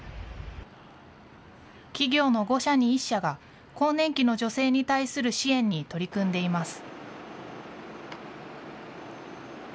企業の５社に１社が、更年期の女性に対する支援に取り組んでいます。